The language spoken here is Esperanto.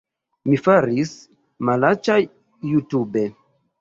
Mi faris malaĉa jutube